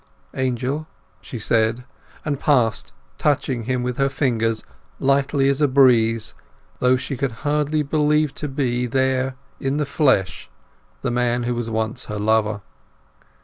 "Angel!" she said, and paused, touching him with her fingers lightly as a breeze, as though she could hardly believe to be there in the flesh the man who was once her lover.